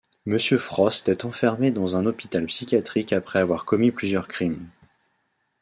Mr Frost est enfermé dans un hôpital psychiatrique après avoir commis plusieurs crimes.